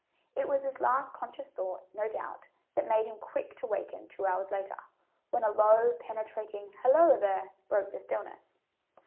It was this last conscious thought, no doubt, that made him quick to waken two hours later, when a low, penetrating "Helloa there!" broke the stillness.